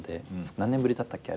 何年ぶりだったっけ？